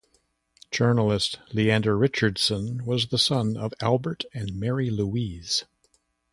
Journalist Leander Richardson was the son of Albert and Mary Louise.